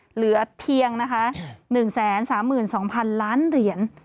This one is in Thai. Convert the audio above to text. เหลือเพียงนะคะ๑๓๒๐๐๐ล้านเหรียญ